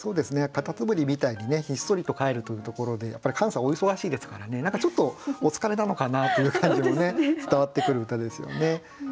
カタツムリみたいにねひっそりと帰るというところでやっぱりカンさんお忙しいですからね何かちょっとお疲れなのかなという感じもね伝わってくる歌ですよね。